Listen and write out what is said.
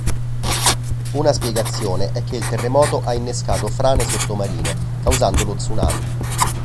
Una spiegazione è che il terremoto ha innescato frane sottomarine, causando lo tsunami.